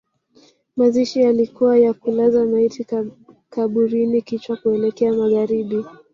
Mazishi yalikuwa ya kulaza maiti kaburini kichwa kuelekea magharibi